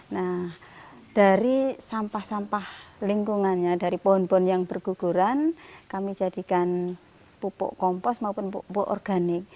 nah dari sampah sampah lingkungannya dari pohon pohon yang berguguran kami jadikan pupuk kompos maupun pupuk organik